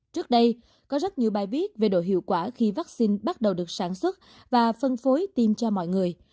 trước đây có rất nhiều bài viết về độ hiệu quả khi vaccine bắt đầu được sản xuất và phân phối tiêm cho mọi người